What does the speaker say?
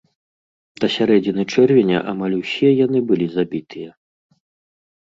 Да сярэдзіны чэрвеня амаль усе яны былі забітыя.